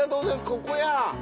ここや。